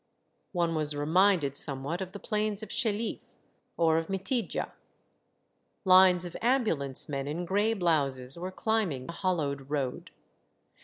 One was re minded somewhat of the plains of Chelif or of Mitidja. Lines of ambulance men in gray blouses were climbing a hollowed road.